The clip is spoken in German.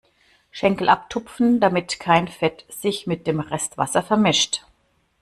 Schenkel abtupfen, damit kein Fett sich mit dem Rest Wasser vermischt.